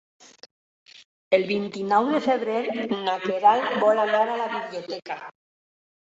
El vint-i-nou de febrer na Queralt vol anar a la biblioteca.